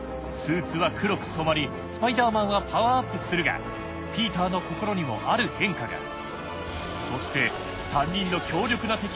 スーツは黒く染まりスパイダーマンはパワーアップするがピーターの心にもある変化が。